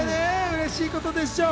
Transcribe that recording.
嬉しいことでしょう。